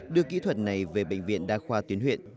đưa kỹ thuật này về bệnh viện đa khoa tuyến huyện